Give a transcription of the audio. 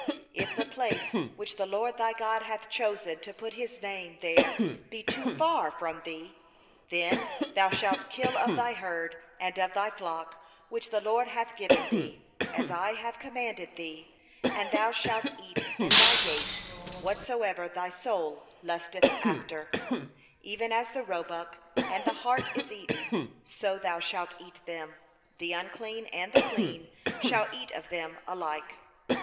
21If the place which the LORD thy God shall choose to put His name there be too far from thee, then thou shalt kill of thy herd and of thy flock, which the LORD hath given thee, as I have commanded thee, and thou shalt eat within thy gates, after all the desire of thy soul. 22Howbeit as the gazelle and as the hart is eaten, so thou shalt eat thereof; the unclean and the clean may eat thereof alike.